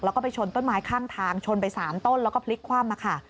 แล้วก็ไปชนต้นไม้ข้างทางชนไป๓ต้นแล้วก็พลิกคว่ำมาค่ะ